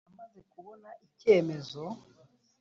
Amaze kubona icyemezo.